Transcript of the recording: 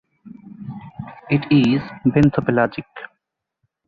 It is benthopelagic.